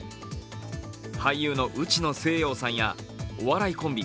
俳優の内野聖陽さんやお笑いコンビ